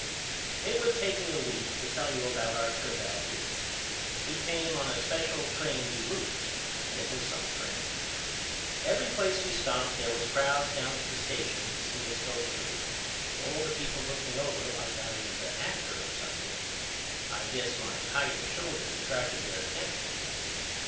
It would take me a week to tell you about our trip out here. We came on a Special Train De Lukes and it was some train. Every place we stopped there was crowds down to the station to see us go through and all the people looked me over like I was a actor or something. I guess my hight and shoulders attracted their attention.